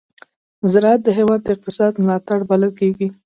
زراعت د هېواد د اقتصاد ملا تېر بلل کېږي.